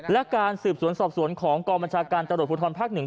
และการสืบสวนสอบสวนของกรมชาการตรวจผู้ทรภัณฑ์ภาคหนึ่ง